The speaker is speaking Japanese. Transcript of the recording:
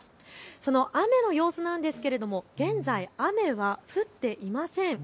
その雨の様子なんですけれど現在、雨は降っていません。